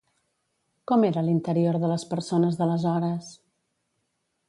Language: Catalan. Com era l'interior de les persones d'aleshores?